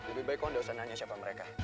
lebih baik kau gak usah nanya siapa mereka